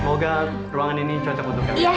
semoga ruangan ini cocok untuk kami